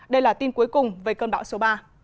đây là tin cuối cùng về cơn bão số ba